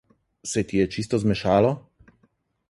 Se ti je čisto zmešalo?